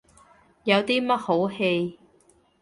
有啲乜好戯？